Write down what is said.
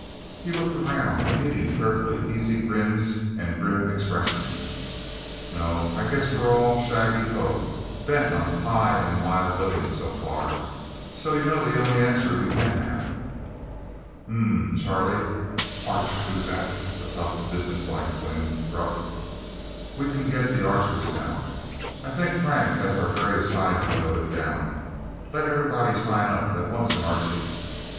He looked around, meeting carefully easy grins and grim expressions. "Nope I guess we're all shaggy folk, bent on high and wild living, so far. So you know the only answer we can have." "Umhmm, Charlie," Art Kuzak, the tough, business like twin, gruffed. "We can get the Archers, now. I think Frank has our various sizes noted down. Let everybody sign up that wants an Archie.